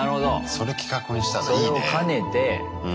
それ企画にしたんだ。